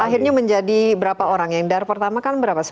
akhirnya menjadi berapa orang yang dari pertama kan berapa